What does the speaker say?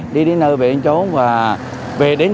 đi đến nơi về chỗ và về đến nơi an toàn